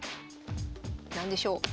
何でしょう？